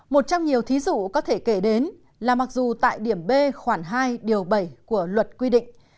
một trong nhiều thí dụ có thể kể đến là mặc dù tại điểm b khoảng hai điều bảy của luật quy định